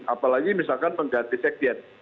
apalagi misalkan mengganti sekjen